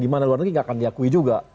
di mana luar negeri nggak akan diakui juga